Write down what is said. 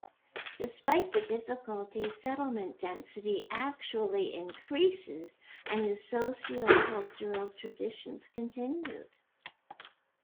Despite the difficulties, settlement density actually increases, and the socio-cultural traditions continued.